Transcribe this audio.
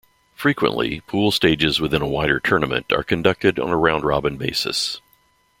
Frequently, pool stages within a wider tournament are conducted on a round-robin basis.